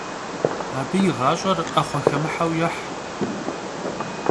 Abı yi ğaş'er 'exhuexemıheu yêh.